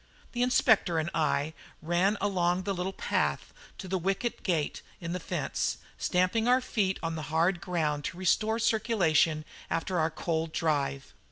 The Inspector and I ran along the little path to the wicket gate in the fence, stamping our feet on the hard ground to restore circulation after our cold drive.